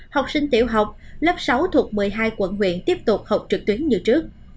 học sinh tiểu học lớp sáu thuộc một mươi hai quận huyện tiếp tục học trực tuyến như trước